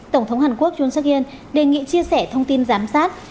tổng thống hàn quốc jun suk in đề nghị chia sẻ thông tin giám sát